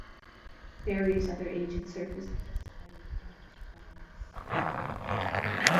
Various other agents surfaced to testify at anti-Communist trials.